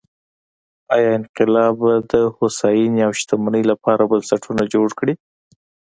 ایا انقلاب به د هوساینې او شتمنۍ لپاره بنسټونه جوړ کړي؟